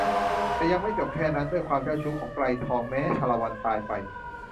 แต่ยังไม่จบแค่นั้นด้วยความเจ้าชู้ของไกรทองแม้ชาละวันตายไป